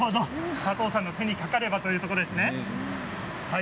佐藤さんの手にかかればということですね。